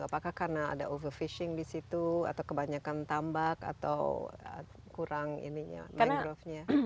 apakah karena ada over fishing di situ atau kebanyakan tambak atau kurang ini ya mangrovenya